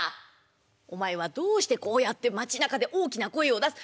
「お前はどうしてこうやって町なかで大きな声を出す。